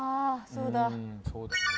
そうだね